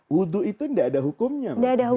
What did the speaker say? wudhu itu tidak ada hukumnya